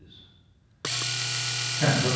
89 CHAPTER V.